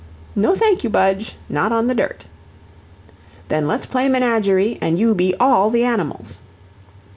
"No, thank you, Budge, not on the dirt." "Then let's play menagerie, an' you be all the animals."